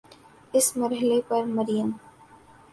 اس مرحلے پر مریم